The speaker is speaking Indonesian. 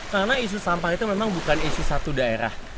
karena isu sampah itu memang bukan isu satu daerah